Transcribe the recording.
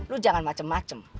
lo jangan macem macem